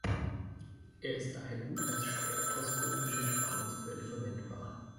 Er ist daher gut als spektroskopische Strahlungsquelle verwendbar.